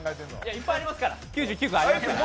いっぱいありますから９９個ありますから。